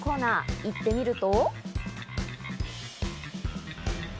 行ってみると。